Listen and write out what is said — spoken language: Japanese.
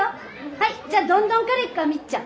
はいじゃあ「どんどん」からいくかみっちゃん。